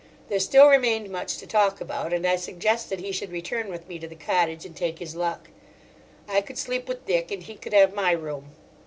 There still remained much to talk about, and I suggested he should return with me to the cottage and take his luck. I could sleep with Dick and he could have my room.